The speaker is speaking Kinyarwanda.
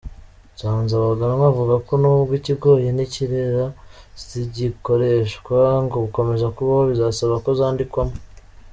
Nsanzabaganwa avuga ko nubwo Ikigoyi n’Ikirera zigikoreshwa, ngo gukomeza kubaho bizasaba ko zandikwamo.